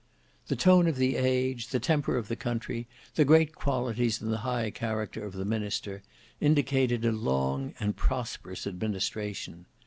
The tone of the age, the temper of the country, the great qualities and the high character of the minister, indicated a long and prosperous administration.